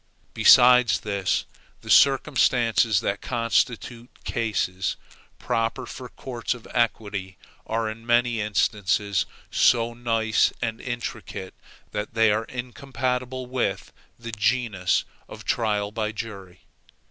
Besides this, the circumstances that constitute cases proper for courts of equity are in many instances so nice and intricate, that they are incompatible with the genius of trials by jury.